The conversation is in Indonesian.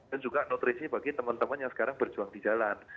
dan juga nutrisi bagi teman teman yang sekarang berjuang di jalan